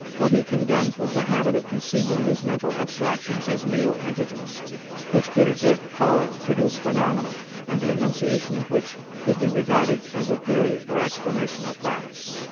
What he condemned was the habit of conceiving these mental abstractions as real entities, which could exert power, produce phaenomena, and the enunciation of which could be regarded as a theory or explanation of facts.